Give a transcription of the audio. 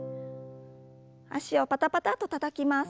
脚をパタパタとたたきます。